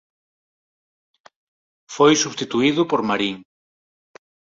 Foi substituído por "Marín"